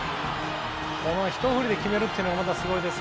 このひと振りで決めるというのがまたすごいです。